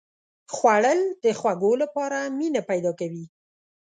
خوړل د خوږو لپاره مینه پیدا کوي